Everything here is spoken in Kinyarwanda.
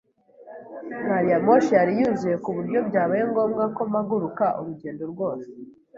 Gariyamoshi yari yuzuye ku buryo byabaye ngombwa ko mpaguruka urugendo rwose.